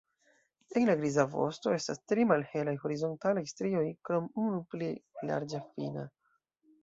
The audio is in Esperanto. En la griza vosto estas tri malhelaj horizontalaj strioj krom unu pli larĝa fina.